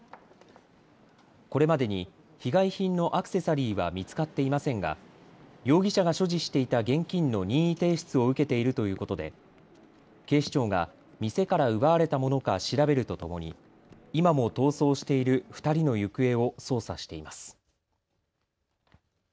これまでに被害品のアクセサリーは見つかっていませんが容疑者が所持していた現金の任意提出を受けているということで警視庁が店から奪われたものか調べるとともに今も逃走している２人の行方を捜査しています。